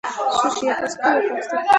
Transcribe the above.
Суши - японское лакомство.